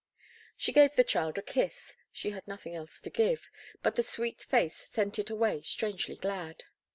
She gave the child a kiss—she had nothing else to give, but the sweet face sent it away strangely glad.